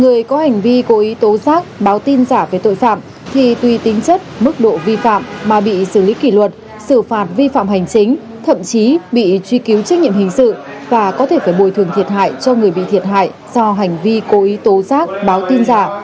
người có hành vi cố ý tố giác báo tin giả về tội phạm thì tùy tính chất mức độ vi phạm mà bị xử lý kỷ luật xử phạt vi phạm hành chính thậm chí bị truy cứu trách nhiệm hình sự và có thể phải bồi thường thiệt hại cho người bị thiệt hại do hành vi cố ý tố giác báo tin giả